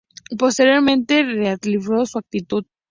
Posteriormente rectificó su actitud.